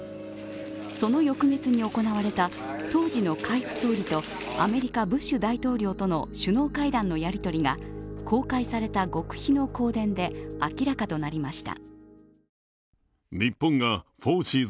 その翌月に行われた当時の海部総理とアメリカ・ブッシュ大統領との首脳会談のやり取りが公開された極秘の公電で明らかとなりました。